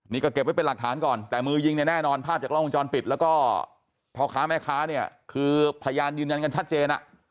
นี่ก็เก็บไว้เป็นหลักฐานก่อนแต่มือยิงเนี่ยแน่นอนภาพจากล้องวงจรปิดแล้วก็พ่อค้าแม่ค้าเนี่ยคือพยานยืนยันกันชัดเจน